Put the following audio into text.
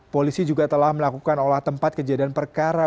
polisi juga telah melakukan olah tempat kejadian perkara